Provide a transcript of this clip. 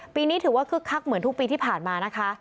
ปีนี้ถือว่าคึกคักเหมือนทุกปีที่ผ่านมานะคะ